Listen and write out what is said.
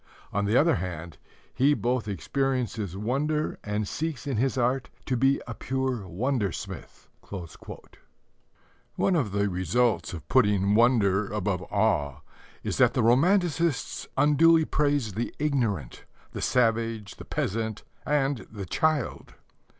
On the other hand, he both experiences wonder and seeks in his art to be a pure wonder smith." One of the results of putting wonder above awe is that the romanticists unduly praise the ignorant the savage, the peasant, and the child.